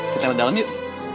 kita lihat dalam yuk